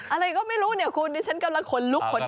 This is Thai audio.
อะไรก็ไม่รู้เนี่ยผมกำลังขนลุกลูก